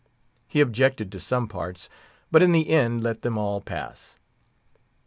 He objected to some parts, but in the end let them all pass.